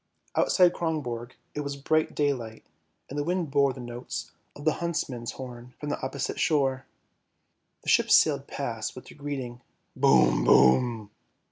Outside Kronborg it was bright daylight and the wind bore the notes of the huntsman's horn from the opposite shore. The ships sailed past with their greeting, " boom, boom!